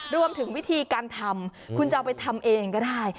วิธีการทำคุณจะเอาไปทำเองก็ได้